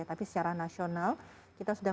tapi secara nasional kita sudah